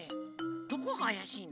どこがあやしいの？